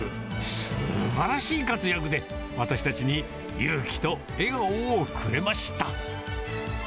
すばらしい活躍で、私たちに勇気と笑顔をくれました。